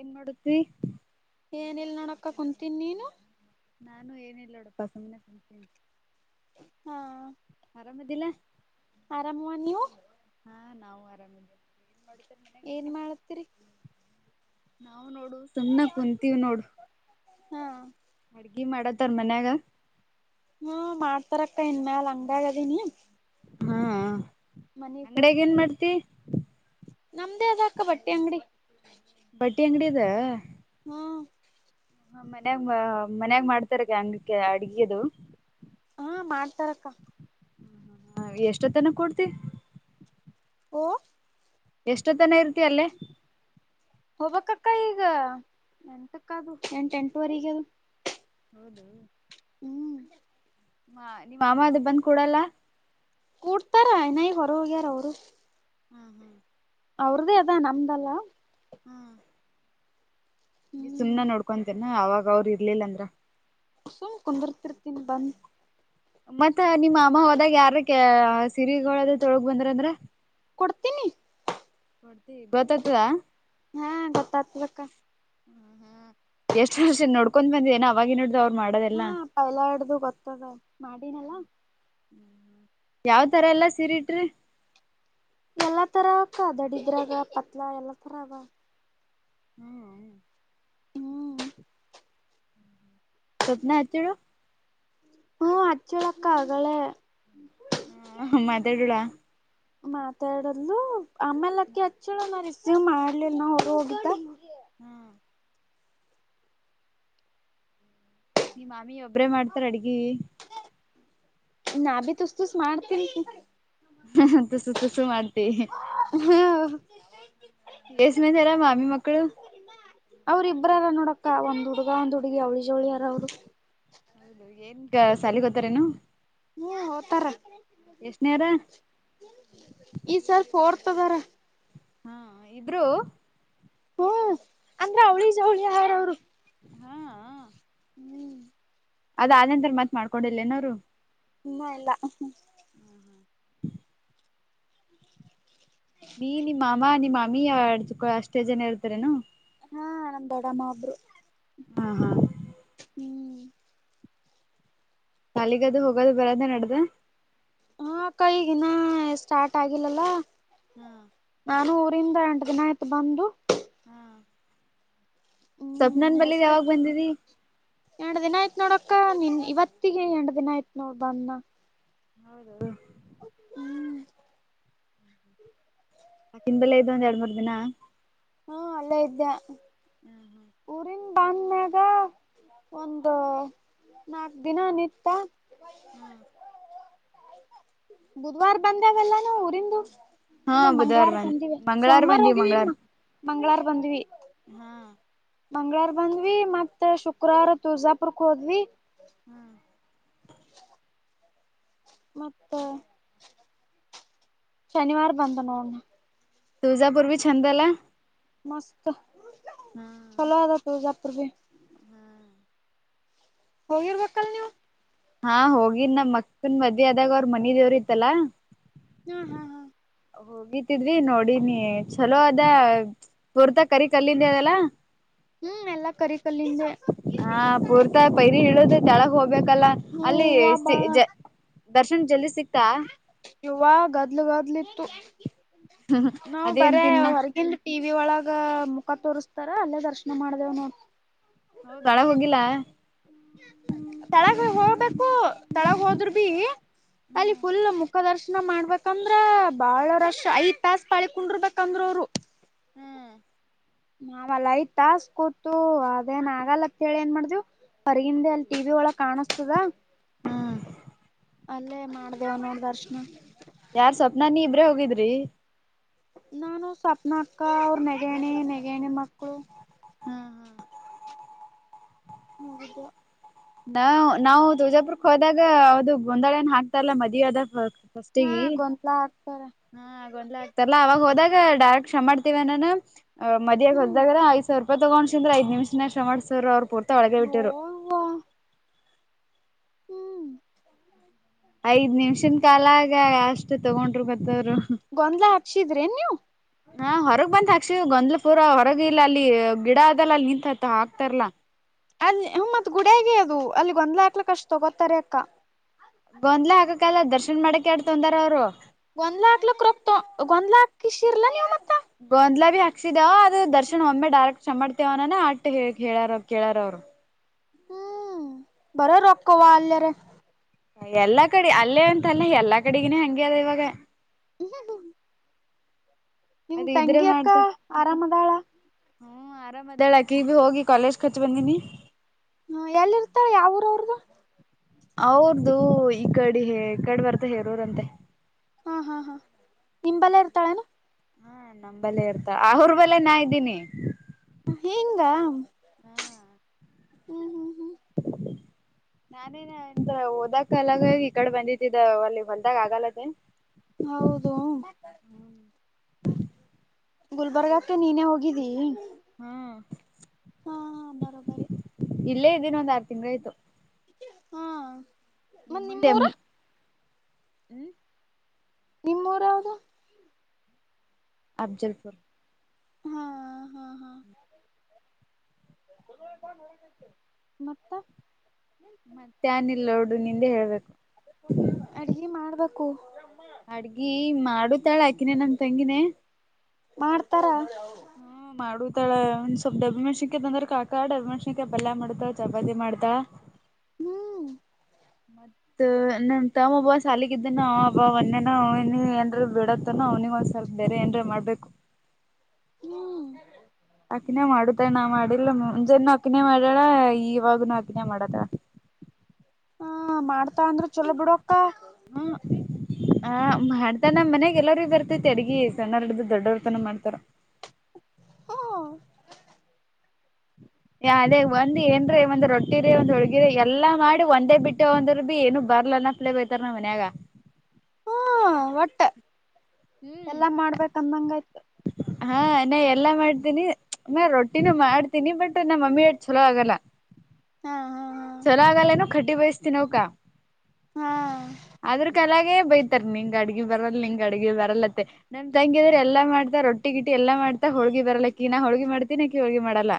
ಏನ್ ಮಾಡುತ್ತೀ ಏನ್ ಎಲ್ ನೋಡಕ ಕುಂತೀನಿ ನೀನು ನಾನು ಏನ ಇಲ್ಲೋಡಪ್ಪ ಸಮಮ್ಮನೆ ಕತೀನಿ ಹಾ ಆರಾಮದಲ್ಲ ಆರಾಮವ ನೀವು ಹಾ ನಾವು ಆರಾಮಿದೇವಿ ಏನ್ ಮಾಡತಿೀರಿ ನಾವವು್ ನೋಡು ಸು್ಣ ಕುಂತೀವಿ್ ನೋಡು ಹಾ ಿ ಮಾಡತ್ತಾರ ಮನ್ಯಾಗ ಹ್ಮ ಮಾಡ್ತಾರಕ್ಕ ಇನ್ ಮ್ಯಾಲ ಹಂಗಾಗದೀನಿ ಹಾ ಅಂಗಡಗ ಹೋಗಿ ಏನ್ ಮಾಡ್ತಿ ನಮ್ದೇ ಅದ ಅಕ್ಕ ಬಟ್ಟೆ ಅಂಗಡಿ ಬಟ್ಟಿ ಅಂಗಡಿದೆ ಹ್ಮ ಹ ಮನ್ಯಾಗ್ ಮನ್ಯಾಗ್ ಮಾಡ್ತಾರಕ್ಕೆ ಅಂಗಕ್ಕೆ ಅಡ್ಗೆದು ಹಾ ಮಾಡ್ತಾರಕ್ಕ ಎಷ್ಟೊತ್ತನ ಕೊಡ್ತಿ ಓ ಎಷ್ಟೊತನ ಇರ್ತಿ ಅಲ್ಲೇ ಹೋಗ್ಕ್ಕಕ್ಕ ಈಗ ಎಂಟಕ್ಕ ಅದು ಎಂಟ ಎಂಟುವರೆಗೆ ಅದು ಹೌದು ಹ್ಮ್ ಹ ನಿಮ್ಮ್ ಮಾಮ ಅದು ಬಂದ್ ಕೂಡಲ್ಲ ಕೂಡ್ತಾರನ ಹೊರೋಗ್ಯಾರ ಅವರು ಹ್ಮ್ ಹ್ಮ್ ಅವ್ರದ್ದೇ ಅದಾ ನಮ್ದಲ್ಲ ಹ್ಮ್ ಈ ಹ್ಮ್ ಸುಮ್ನ ನೋಡ್ಕೊಂತೇನ ಅವಾಗ ಅವ್ರ ಇರ್ಲಿಲ್ಲ ಅಂದ್ರ ಸುಮ್ ಕುಂದರ್ತಿರ್ತೀನಿ ಬಂದ್ ಮತ್ತ ನಿಮ್ಮ ಅಮ್ಮ ಹೋದಾಗ ಯಾರ ಸಿರಿಗಳದ ತೊಳಗ ಬಂದ್ರ ಅಂದ್ರ ಕೊಡ್ತೀನಿ ಕೊಡ್ತಿ ಗೊತ್ತತ್ದ ಹಾ ಗೊತ್ತಾಗ್ತದಕ್ಕ ಎಷ್ಟು ವರ್ಷ ನಡ್ಕೊಂಡ್ ಬಂದ ಏನ ಅವವಾಗಿ ನೋ ಅವ್ ಮಾಡ ಹಾ ಪೈಲಾ ಹಡ್ದು ಗೊತ್ತದ ಮಾಡಿನಲ್ಲಾ ಯಾವ್ ತರ ಎಲ್ಲ ಸೀರಿಟ್ರಿ ಎಲ್ಲಾ ತರ ಅಕ್ಕ ದಡಿದ್ರಾಗ ಪತ್ಲಾ ಎಲ್ಲಾ ತರಗ ಹ್ಮ ಹ್ಮ್ ಸ್ವಪ್ನ ಹಚ್ಚಿರು ಹ್ಮ ಹಚ್ಚಳಕ್ಕ ಆಗಳೇ ಹಮ್ಮದಡಳ ಮಾತಾಡದ್ಲು ಆಮೇಲಕ್ಕಿ ಹಚ್ಚಳ ನ ರಿಸೀವ್ ಮಾಡ್ಲಿಲ್ಲ ನ ಅವರು ಹೋಗಿದ್ದ ಹ್ಮ್ ನಿಮ್ಮ್ ಮಾಮಿ ಒಬ್ರೇ ಮಾಡ್ತಾರ ಅಡ್ಗಿ ನಾ ಬಿ ತುಸ್ತುಸ್ ಮಾಡ್ತೀನ ಹ ತಸು ತಸು ಮಾಡ್ತ ಹ್ಮ ಎಸ್ ಮೇನ್ಾರ ಮಾಮ್ಮಿ ಮಕ್ಕಳು ಅವ್ರ ಇಬ್್ರಾರ ನೋಡಕ ಒಂದ್ ಹುಡುಗ ಒಂದ ಹುಗಿ ಅವಳಿವಳಿಾರ ಅವ್ರು ಹೌದು ಏನ್ ಸಾಲ ಗೊತ್ತಾರನು ಹ್ಮ್ ಹೋತಾರ ಎಷ್ಟನೇಯಾರ ಈ ಸರ್ ಫೋರ್ತದಾರ ಹಾ ಇಬ್ರು ಹ್ಮ ಅಂದ್ರ ಅವಳಿ ಜ ಅವಳಿ ಆಹಾರ ಅವರು ಹಾ ಹ್ಮ್ ಅದ ಆದ ನಂತರ ಮತ್ ಮಾಡ್ಕೊಂಡಿಲ್ಲೇನೋರು ಇನ್ನ ಇಲ್ಲ ನೀ ನಿಮ್ಮ ಅಮ್ಮ ನಿಮ್ಮಮ್ಮಿಕ ಅಷ್ಟೇ ಜನ ಇರ್ತಾರನು ಹಾ ನಂದ್ಡಮ್ಮ ಒಬ್ರು ಹಾ ಹ್ಮ್ ಕಾಲಿಗದು ಹೋಗೋದು ಬರದ ನಡ್ದ ಹಾ ಕೈಗಿನ ಸ್ಟಾರ್ಟ್ ಆಗಿಲ್ಲಲ್ಲ ಹ್ಮ ನಾನು ಊರಿಂದ ಎಂಟು ದಿನ ಆಯ್ತು ಬಂದು ಹಾ ಹ್ಮ್ ಸ್ವಪ್ನನ್ ಬಲ್ಲಿದ ಯಾವಾಗ ಬಂದಿದಿ ಎರಂಡ ದಿನ ಆಯ್ತತ್ ನೋಡಕ್ಕ ನಿನ್ ಇವತ್ತಿಗೆ ಎರಂಡ ದಿನ ಆಯ್ತ್ ನೋಡ್ಬ ಅನ್ನಾ ಹೌದು ಹ್ಮ್ ಆಕನ್ ಬೆಲ್ಲೇ ಇದು ಒಂದ ಎರಡ್ ಮೂರ್ ದಿನ ಹ್ಮ ಅಲ್ಲೇ ಇದ್ದ ಹ್ಮ್ ಹ್ಮ್ ಬಂದ್ಮ್ಯಾಗ ಒಂದು ನಾಕ್ ದಿನ ನಿತ್ತ ಹ್ಮ್ ಬುಧ್ವಾರ ಬಂದಾವಲ್ಲ ನಾ ಊರಿಂದು ಹಾ ಇಲ್ಲ ಬುಧವಾರ ಮಂಗ್ವಾರ ಬಂದ ಬಂದಿವ ಮಂಗಳವಾರ ಸೋಮವಾರ ಬಂದಿವಿ ಹೋಗಿವಮ್ಮ ಮಂಗ್ಗಳಾರ ಬಂದ್ವಿ ಹಾ ಮಂಗ್ಗಳವಾರ ಬಂದ್ವಿ ಮತ್ತ ಶುಕ್ರವಾರ ತುಳ್ಜಾಪುರ್ಕ್ ಹೋದ್ವಿ ಹ್ಮ್ ಮತ್ತೆ ಶನಿವಾರ ಬಂದ ನೋಡಣ ತುಜಾಪೂರ್ವಿ ಛಂದಲ್ಲ ಮಸ್ತ್ ಚಲವದ ತು ಜಪ ಬಿ ಹ್ಮ್ ಹೋಗಿರ್ಬೇಕಲ್ ನೀವು ಹಾ ಹೋಗಿ ನಮ್ಮ ಮಕ್ಕನ್ ಮದೆ ಆದಾಗ ಅವ್ರ ಮನ ದೇವ್ರ ಇತ್ತಲ್ಲಾ ಹಾ ಹಾ ಹಾ ಹೋಗಿತಿದ್ವಿ ನೋಡಿನಿ ಚಲೋ ಅದ ಹೊರ್ತ ಕರಿ ಕಲ್ಲಿಂದ ಅದಲ್ಲ ಹ್ಮ್ ಎಲ್ಲಾ ಕರಿ ಕಲ್ಲಿದ್ದೆ ಹಾ ಪೂರ್ತ ಪೈರಿ ಇಡುದ ತಳಗ ಹೋಗ್ಬೇಕಲ್ಲ ಅಲ್ಲಿ ಹೂವ ಬಾಳ ದರ್ಶನ್ ಜಲ್ದಿ ಸಿಕ್ತಾ ಯುವ ಗದ್ಲು ಗದ್ಲಿ ಇತ್ತು ನಾವು ಅದೇನ್ ಬರೇ ತಿನ್ನ ಹೊರಗಲ್ ಟಿವ ವಿ ಒಳಗ ಮುಖ ತೋರಿಸಸ್ತಾರ ಅಲ್ಲೇ ದರ್ಶನ ಮಾಡಿದೆೇವನು ಹೌದಳ ಹೋಗಿಲ್ಲಾ ತಳಗ ಹೋಗ್ಬೇಕು ತಳಗ ಹೋದ್ರ ಬಿ ಅಲ್ಲಿ ಫುಲ್ ಮುಖ ದರ್ಶನ ಮಾಡ್ಬೇಕ ಯಾಕಂದ್ರ ಬಾಳ ರಶ್ ಐದ್ ಪ್ಯಾಸ್ ಪಾಳಕೊಂಡಿರ್ಬೇಕಂದ್ರ ಅವ್ರು ಹ್ಮ್ ನಾವಲ್ಲ ಐ್ತ್ತಸ್ ಕೂತು ಅದೇನ್ ಆಗಲ್ಲತ್ೇಳಿ ಏನ್ ಮಾಡ್ದ್ ಪರಿಗಿಂದೆ ಅಲ್ಲಿ ಟಿವ ವಿ ಒಳ ಕಾಣಿಸ್ತದ ಹಾ ಅಲ್ಲೇ ಮಾಡ್ದೇವ ನೊಂದ ದರ್ಶನ ಯಾರ್ ಸ್ವಪ್ನ ನೀ ಇಬ್ರೆ ಹೋಗಿದ್ರಿ ನಾನು ಸ್ವಪ್ನ ಅಕ್ಕ ಅವರು ನಗೇಣಿ ನಗೇಣಿ ಮಕ್ಕಳು ಹಾ ಹಾ ಹೋಗಿದ್ವಿ ನಾವ ನಾವು ತುರ್ಜಾಪುರ್ಕ್ ಹೋದಾಗ ಅವದು ಗೋಂದಾಳನ್ ಹಾಕ್ತಾರಲ್ಲ ಮದುವಿಯದಾಗ ಹಾ ದಷ್ಟೆಗೆ ಗೊಂತ್ಲ ಹಾಕ್ತಾರ ಹಾ ಆಗೊಂಡ್ ಆಗ್ತಾರಲ್ಲ ಅವಾಗ ಹೋದಾಗ ಡೈರೆಕ್ಟ್ ಶಮ ಮಾಡ್ತೀವಿನ ಮದಿಯಾಗ ಹ್ಮ್ ಹೊೋದ್ದಾಗ ಸ್ವರ್ಪ ತಗೊಂಡ್ಂದ್ರೆಐದ್ಮಷನ ಶ್ರ ಮಾಡಸರ್ ಅವ್ರು ಪೂರ್ತಿಳಗೆ ಬಿಟ್ಟಿರು ಯವ್ವಾ ಹ್ಮ್ [unintelligible] ಐದ್ ನಿಮಿಷನ್ ಕಾಲಾಗ ಅಷ್ಟು ತಗೊಂಡರು ಬತ್ತವರು ಗೊಂನ್ದ್ಲಾ ಹಚ್ಚಿದ್ರಿ ನೀವು ಹಾ ಹೊರಗ್ ಬಂತ ಅಕ್ಷಿ ಗೊಂದ್ಲ ಪೂರ ಹೊರಗ ಇಲ್ಲ ಅಲ್ಲಿ ಗಿಡ ಆದದಲ್ಲ ಅಲ್ಲಿ ನಿಂತತ್ತ್ ಹಕ್ತಾರಲ್ಲಾ ಅಲ್ಲಿ ಮತ್ ಗುಡಾಗ ಅದು ಅಲ್ಲಿಗ್ ಒಂದ್ ಲಾಕ್ಲಿಕ್ ಅಷ್ಟ್ ತೊಗೋತಾರೆ ಅಕ್ಕಾ ಗೊಂದ್ಲ ಹಕಕ್ಕಲ್ಲ ದರ್ಶನ್ ಮಾಡಕ್ ಎಡ್ ತೊಂದಾರ ಅವ್ರು ಒಂದ್ ಲಾಖ ಲ ಕ್ರೊಪ್ ತ ಒಂದ್ ಲಾಖಕ್ಕೆ ಶಿರಲ ನೀವುನ [unintelligible] ಗೊಂದ್ಲ ಭಿ ಹಾಕ್ದಾವ ಅದು ದರ್ಶನ್ ಒಮ್ಮೆ ಡೈರೆಕ್ಟ್ ಚಮಾಡ್ತವನ ಆಟ್ಟ ಕ ಹೇಳಾರ ಕೇಳಾರವ್ರು ಹ್ಮ್ ಬರ ರಕ್ಕವಾ ಅಲ್ಲ ರ ಎಲ್ಲಾ ಕಡೆ ಅಲ್ಲೇ ಅಂತಲ್ಲ ಎಲ್ಲಾ ಕಡೆಗಿನೇ ಹಂಗೆ ಅದ ಇವಾಗ [unintelligible] ನೇಮ್ ಅದ ಇದ್ರೆ ತಂಗಿ ಅಕ್ಕ ಮಾಡ್ತ ಆರಾಮದಾಳ ಹ್ಮ್ ಆರಾಮ ಅದಾಳಕಿ ಬಿ ಹೋಗಿ ಕಾಲೇಜ್ ಹಾಚೆ ಬಂದೀನಿ ಹ್ಮ ಎಲ್ಲಿ ಇರ್ತಾಳೆ ಯಾವ ಊರು ಅವರದು ಅವ್ರದು ಈ ಕಡೆ ಈ ಕಡೆ ಬರ್ತ ಹೇರೋರ್ಂತೆ ಹಾ ಹಾ ಹಾ ನಿಂಬಲ್ಲ ಇರ್ತಾಳೆನು ನಮಂಬಲೆ ಇರ್ತ ಆ ಅವರ್ ಬಲೆ ನಾ ಇದ್ದೀನಿ ಹಿಂಗ ಹ್ಮ್ ಹ್ಮ್ ಹ್ಮ್ [inaudible] ನಾನೇ ಎಂದ ಓದಕಲಗ ಈ ಕಡೆ ಬಂದಿದ್ದಿದ್ದ ಅಲ್ಲಿ ಹೊಲದಾಗ ಆಗಲತ್ತೇ ಹೌದು ಗುಲ್ಬರ್ಗಕ್ಕೆ ನೀನೇ ಹೋಗಿದ್ದಿ ಹಾ ಹಾ ಬರೋಬರೇ ಇಲ್ಲೇ ಇದೀನ ಒಂದ್ ಆರು ತಿಂಗ್ಗಳ ಆಯ್ತು ಹಾ ಈ ಮತ್ ಮುಂದೆ ನಿಮ್ಮೂರ ಹ್ಮ್ ನಿಮ್ ಊರು ಯಾವ್ದ ಅಫಜಲ್ಫು ಪುರ ಹಾ ಹಾ ಹಾ ಹ್ಮ [unintelligible] [unintelligible] ಮತ್ತ ಮತ್ತೆ ಏನು ಇಲ್ಲ ನೋಡ್ರೆ ನಿಂದೆ ಹೇಳ್ಬೇಕು ಅಡ್ಗೆ ಮಾಡ್ಬೇಕು ಅಡ್ಗಿ ಮಾಡು ತಾಳ ಹಾಕಿನಿ ನನ್ ತಂಗಿನೇ ಮಾಡ್ತಾರ ಮಾಡುದತಳ ಒಂದ ಸ್ವಲ್ ಡಬ್ಬ ಮೆಣ್ಸಿಕ ತಂದ್ರ ಕಕಾ ಡಬ ಮೆಣಸಿಕಿ ಬಲ್ಲಯ ಮಾಡತ ಜಬತಿಿ ಮಾಡ್ತ ಹ್ಮ ಮತ್ತ ನಮ ತಮ್ಮಬ್ಬ ಸಾಲಗಿದ್ದನ ಹಬ್ಬ ಒೊನ್ನೆನ ಏನ್ರ ಬಿಡತ್ ಅವ್ನಿಗಂದ್ ಸ್ವಲ್ ಬೇರೆ ಏನ್ ಮಾಡ್ಬೇಕು ಹ್ಮ್ ಅಕ್ಕಿನೇ ಮಾಡುದಣಾ ಮಾಡಿಲ್ಲ ಮುಂಜಾನ ಅಕ್ಕನೇ ಮಾಡ್ಯಳ ಇವಾಗನುೂ ಅಕಿನೇ ಮಾಡದ ಹಾ ಮಾಡ್ತಾ ಅಂದ್ರ ಚೊಲೋ ಬಿಡಕ್ಕ ಹ್ಮ ಆ ಮಾಡ್ತ ನಮ್ಮ್ ಮನಯಾಗ ಎಲ್ಲರು ಇದ್ದರ್ ಮ ತ ಅಡಗಿ ಸಣ್ಣ ಹಡು ದೊಡ್ಡವರ್ತನ ಮಾಡ್ತಾರ ಹಾ ಯ ಅದೇ ಒಂದ್ ಏನ್ರೀ ಒಂದ್ ರೊಟ್ಟಿ ರೀ ಒಂದ್ ಹುಳ್ಗಿರಿ ಎಲ್ಲಾ ಮಾಡಿ ಒಂದೇ ಬಿಟ್ಟು ಒಂದ್ರ ಭ ಏನು ಬರ್ಲಾನ ಬಯತಾರೆನ ಮನ್ಯಾಗ ಹ ಹೊಟ್ಟೆ ಹ್ಮ್ ಎಲ್ಲಾ ಮಾಡ್ಬೇಕ ಅಂದಂಗಾಯ್ತು ಹಾ ನಾ ಎಲ್ಲಾ ಮಾಡ್ತೀನಿ ನ ರೊಟ್ಟಿನೂ ಮಾಡ್ತೀನಿ ಬಟ್ ನಮ್ಮ ಮಮ್ಮಿ ಎಟ್ ಚಲೋ ಆಗಲ್ಲ ಹಾ ಹಾ ಚಲೋ ಆಗಲ್ಲೇನೋ ಟ್ಟಿ ಬಯಸ್ತೀನವ್ಕ ಹಾ ಆದ್ರಕಲಾಗೆ ಬೈ ನಿಂಗ್ ಅಡಗೆ ಬರಲ್ಲ ನಿಂಗ್ ಅಡಗೆ ಬರಲ್ಲತ್ತ ನಮ್ ತಂಗಿದ್ರ ಎಲ್ಲಾ ಮಾಡ್ತ ರೊಟ್ಟಿ ಗಿಟ್ಟಿ ಗಿಟಿ ಎಲ್ಲಾ ಮಾಡ್ತಾ ಹೋಳಿ ಬರಲ್ಲಕ್ಕ ನಾ ಹೋಳಿಗಿ ಮಾಡ್ತೀನಕಿ ಹೋಳಿ ಮಾಡಲ್ಲ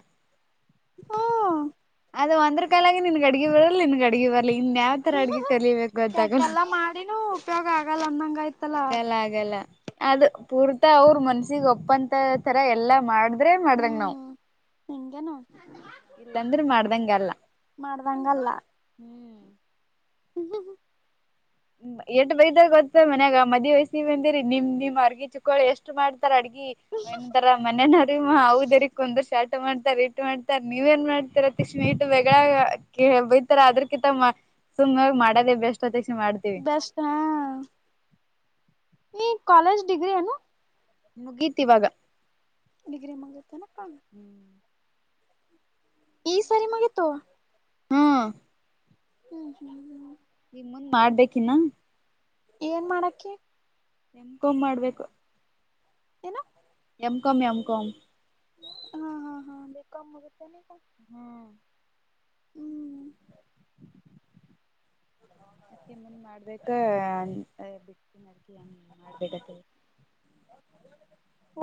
ಹ್ಮ ಅದು ಒಂದ್ರ ಕಾಲಾಗಿ ನಿನಗೆ ಅಡಿಗೆ ಬರಲ್ಲ ನಿನಗೆ ಅಡಿಗೆ ಬರಲಿ ಇನ್ ಯಾವ ಆತರ ಅಡ್ಗೆ ಕಲಿಬೇಕು ಅಂತಾಗಲ್ಲ ಕೆಟ್ಟೆಲ್ಲಾ ಮಾಡಿನೂ ಉಪಯೋಗ ಆಗಲ್ಲ ಅಂದಂಗ ಆಯ್ತಲ್ಲ ಆಗಲ್ಲ ಆಗಲ್ಲ ಅದು ಪೂರ್ತಾ ಅವರು ಮನ್ಸಿಗೆ ಒಪ್ಪಂತ ತರ ಎಲ್ಲಾ ಮಾಡ ಅಂದ್ರೆ ಮಾಡ್ದಂಗ ನಾವು ಹ್ಮ್ ಹಿಂಗೇನು ಇಲ್ಲಾಂದ್ರೆ ಮಾಡ್ದಂಗ ಅಲ್ಲ ಮಾಡ್ದಂಗಲ್ಲ ಹ್ಮ್ ಹ [unintelligible] ಎಷ್ಟು ಬೈದಾಗ ಗೊತ್ತ ಮನ್ಯಾಗ ಮದುವೆ ವಯಸ್ಸಿಗೆ ಬಂದಿರಿ ನಿಮ್ ನಿಮ್ ಅರ್ಗಿ ಚುಕ್ಕ ಕುಕ್ಕಳಿ ಎಷ್ಟು ಮಾಡ್ತಾರ ಅಡ್ಗಿ ವನ್ಂತರ ಮನೇನವ್ರಮ್ಮ ಹದರಿ ಕುಂದ ಶಾರಟ ಮಾಡ್ತಾರ ರೀಟ ಮಾಡ್ತ ರ್ ನೀವ್ ಏನ್ ಮಾಡ್ತತಿರತಿ ಸ್ವೀಟ್ ವಗಳ ಕ ಬೈತಾರೆ ಅದ್ರಕಿಂತ ಸುಮ್ಮ್ ಮಾಡದೇ ಬೆಸ್ಟ್ ಅತ್ತಕ್ಷ ಮಾಡ ಬೆಸ್ಟ್ ಹ ನೀ ಕಾಲೇಜ್ ಡಿಗ್ರಿ ನು ಮುಗೀತಿ ಇವಾಗ ಡಿಗ್ರಿ ಮುಗಿತನೆ ಕಾಣ ಈ ಸಾರಿ ಮುಗೀತು ಹೂ ಹ್ಮ ಹ [unintelligible] ಇ ಮುಂದ್ ಮಾಡ್ಬೇಕಿಿನ ಏನ್ ಮಾಡಕೆ ಫೋನ್ಮಾಡ್ಬೇಕು ಏನು ಎಮ್ ಕಮ ಎಮ್ ಕ್ ಹಾ ಹಾ ಹಾ ಬಿ ಕಾಮ್ ಮುಗೀತ್ ಅನ್ನು ಈಗ ಹ್ಮ್ ಹ್ಮ್ ಮುಂದೆ ಮಾಡ್ಬೇಕ ಬಿಟ್ಟಕಿ ಮಾಡ್ಬೇಕತ್ತ.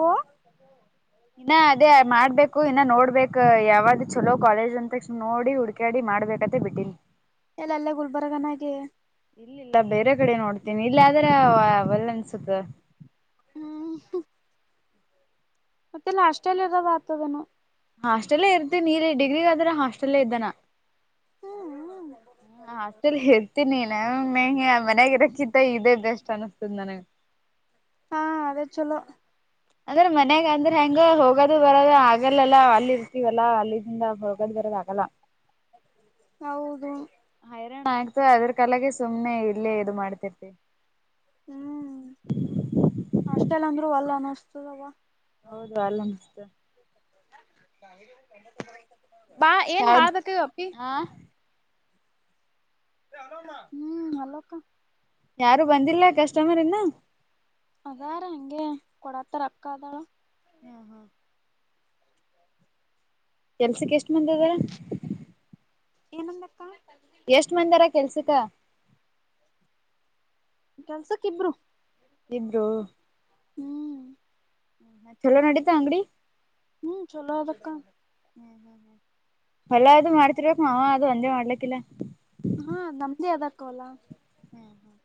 ಓ ಇನ್ನ ಅದೇ ಮಾಡ್ಬೇಕು ಇನ್ನ ನೋಡ್ಬೇಕ ಯಾವ್ ಚಲೋ ಕಾಲೇಜ್ ಅಂದ ತಕ್ಷಣ ನೋಡಿ ಹುಡ್ಗ. ಾಡಿ ಮಾಡ್ಬೇಕತ್ತೆ ಬಿಟ್ಟಿನಿ. ಎಲ್ಲಲ್ಲ ಗುಲ್ಬರ್ಗ ನಾಗೆ. ಇಲ್ಲಲ್ಲ ಬೇರೆ ಕಡೆ ನೋಡ್ತೀನಿ ಇಲ್ಲ ಆದ್ರೆ ಅವಲ್ಲ ಅನ್ಸುತ್ತೆ. ಹ್ಮ್ ಮತ್ತೆಲ್ಲಾ ಅಷ್ಟೆಲ್ಲಿ ಇರೋದು ಆತನದು ಹಾಸ್ಟೆಲ್ಲೇ ಇರ್ತೀನ ನೀ ಡಿಗ್ರಿಗಾದ್ರ ಹಾಸ್ಟೆಲ್ಲೇ ಇದ್ದಾನಾ. ಹ್ಮ್ ಹ್ಮ್ ಅಷ್ಟೇಲ್ ಹೇರ್ತೀನಿ ನ ಮಂಗೆ ಮನ್ಯಾಗ ಇರೋಕ್ಕಿತ್ತ ಇದದೆ ಬೆಸ್ಟ್ ಅನ್ನಸ್ತದ ನನಗೆ. ಹಾ ಅದೇ ಚೊಲೋ ಅಂದ್ರೆ ಮನ್ಯಾಗ ಅಂದ್ರೆ ಹೆಂಗ ಹೋಗದು ಬರೋ ಆಗಲ್ಲಲ್ಲ ಅಲ್ಲಿ ಇರ್ತೀವಲ್ಲ ಅಲ್ಲಿಿಂದ ಹೋಗದು್ ಬರದು ಆಗಲ್ಲ. ಆಗಲ್ಲ ಹೌದು ಹೈರಾಣ ಆಯ್ತು ಅದ್ರ ಕಾಲಗೆ ಸುಮ್ನೆ ಇಲ್ಲೇ ಇದು ಮಾಡ್ತಿರ್ತಿ. ಹ್ಮ್ ಅಷ್ಟೆಲ್ಲ ಅಂದ್ರು ಅಲ್ಲ ಅನಿಸ್ತದವ. ಹೌದು ಅಲ್ಲ ಬಾ ಏನ್ ಯಾವ್ದ್ ಬಾದಕ ಅಪ್ಪಿ. ಹ ಹ್ಮ್ ಅಲ್ಲೋ ಅಕ್ಕ ಯಾರು ಬಂದಿಲ್ಲ ಕಸ್ಟಮರ್ ಇಂದ ಅದಾರ ಹಗೆ ಕೊಡಾತ್ತಾರಕ್ಕದಳ ಹ್ಮ ಹಾ ಕೆಲ್ಸಕ್ಕೆ ಎಷ್ಟ್ ಮಂದ ಇದದಾರ ಏನಂದಕ್ಕ ಎಷ್ಟ್ ಮಂದಾರ ಕೆಲ್ಸಿಕ ಕೆಲ್ಸಕ್ಕ ಇಬ್ರು ಹಮ್ರರು ಹ್ಮ್ ಚಲೋ ನಡೀತಾ ಅಂಗಡಿ ಹ್ಮ್ ಚಲೋ ಅದಕ್ಕ ಹ್ಮ ಹೊಲ ಅದು ಮಾಡ್ತಿರ್ಬೇಕಕ್ ಮಾವ ಅದು ಒಂದೇ ಮಾಡ್ಲಕ್ಕಿಲ್ಲ ಹಾ ನಮ್ದೇ ಅದಕ್ಕವಲ್ಲ ಹ್ಮ್ ಹ್ಮ್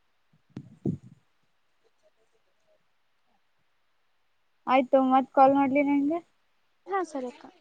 [unintelligible] ಆಯ್ತು ಮತ್ ಕಾಲ್ ಮಾಡ್ಲಿ ನಂಗೆ ಹಾ ಸರಿಕ್ಕ